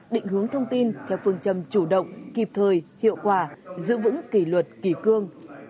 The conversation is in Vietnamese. định hướng thông tin theo phương châm chủ động kịp thời hiệu quả giữ vững kỷ luật kỳ cương